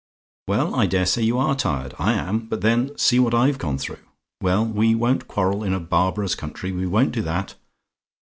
"Well, I dare say you are tired. I am! But then, see what I've gone through. Well, we won't quarrel in a barbarous country. We won't do that.